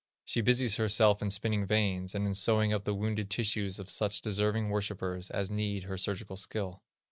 She busies herself in spinning veins, and in sewing up the wounded tissues of such deserving worshipers as need her surgical skill.